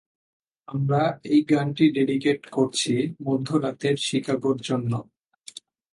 আমরা এই গানটি ডেডিকেট করছি মধ্যরাতের শিকাগোর জন্য।